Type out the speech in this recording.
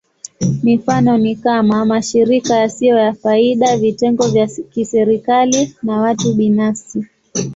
Mifano ni kama: mashirika yasiyo ya faida, vitengo vya kiserikali, na watu binafsi.